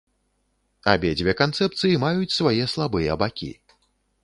Абедзве канцэпцыі маюць свае слабыя бакі.